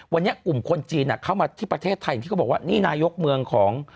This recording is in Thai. วันนี้กลุ่มคนจีนเข้ามาที่ประเทศไทยอย่างที่เขาบอกว่านี่นายกเมืองของ